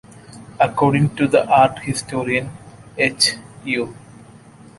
According to the art historian H.-U.